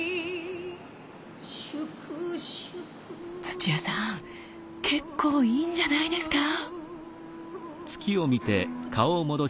土屋さん結構いいんじゃないですか？